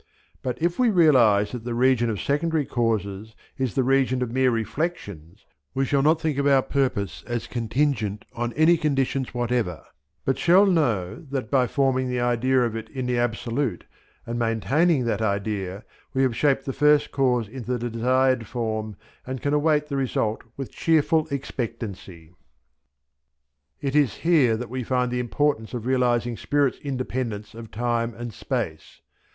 But if we realize that the region of secondary causes is the region of mere reflections we shall not think of our purpose as contingent on any conditions whatever, but shall know that by forming the idea of it in the absolute, and maintaining that idea, we have shaped the first cause into the desired form and can await the result with cheerful expectancy. It is here that we find the importance of realizing spirit's independence of time and space.